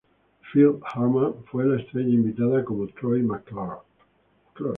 Phil Hartman fue la estrella invitada, como Troy McClure.